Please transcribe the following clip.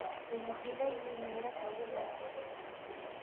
که انجلۍ وي، میړه کول یې موخه وي.